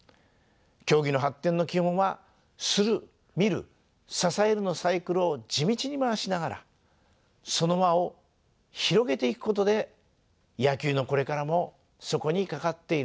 競技の発展の基本は「するみる支える」のサイクルを地道に回しながらその輪を広げていくことで野球のこれからもそこにかかっているでしょう。